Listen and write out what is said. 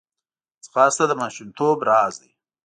ځغاسته د ماشومتوب راز دی